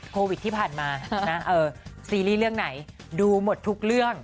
โควิดที่ผ่านมานะซีรีส์เรื่องไหนดูหมดทุกเรื่อง